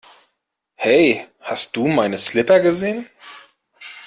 Hey hast du meine Slipper gesehen?